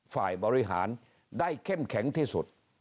ฝ่ายบริหารได้เข้มแข็งที่สุด